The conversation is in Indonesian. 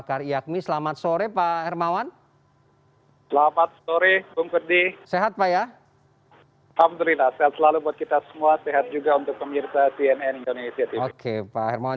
terima kasih pak pak pak